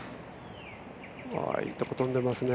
いいとこ飛んでますね。